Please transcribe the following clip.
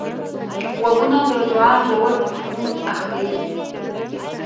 غوږونه د دوعا ژور مفهوم اخلي